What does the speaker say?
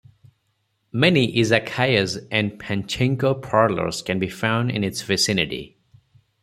Many "izakayas" and pachinko parlors can be found in its vicinity.